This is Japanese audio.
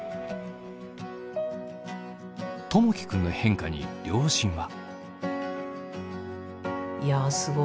友輝君の変化に両親は。